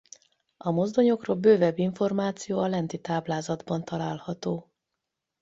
A mozdonyokról bővebb információ a lenti táblázatban található.